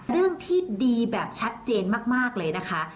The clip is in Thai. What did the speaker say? เรื่องที่ดีแบบชัดเจนมากเลยนะคะ